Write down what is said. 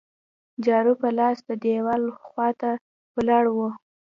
جارو په لاس د دیوال خوا ته ولاړ وو.